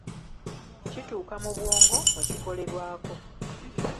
Kituuka mu bwongo, mwe kikolerwako.